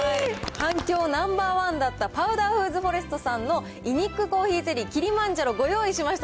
反響ナンバー１だった、パウダーフーズフォレストさんのイニックコーヒーゼリーキリマンジャロ、ご用意しました、